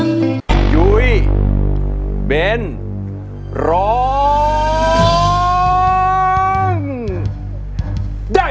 เกิดเสียแฟนไปช่วยไม่ได้นะ